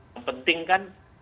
yang penting kan